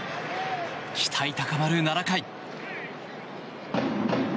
期待高まる７回。